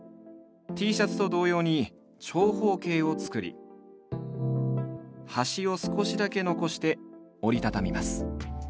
Ｔシャツと同様に長方形を作り端を少しだけ残して折りたたみます。